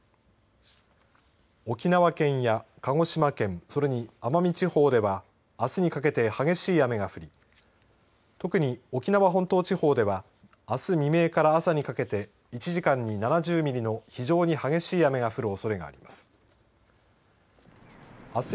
沖縄県や鹿児島県それに奄美地方ではあすにかけて激しい雨が降り特に沖縄本島地方ではあす未明から朝にかけて１時間に７０ミリの非常に激しい雨が降るおそれがあります。